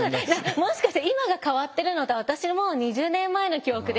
もしかしたら今が変わってるのと私も２０年前の記憶で。